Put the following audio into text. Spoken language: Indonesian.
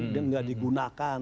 dan tidak digunakan